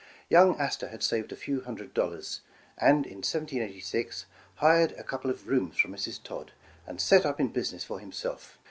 Young Astor had saved a few hundred dollars, and in 1786, hired a couple of rooms from Mrs. Todd, and set up in business for himself.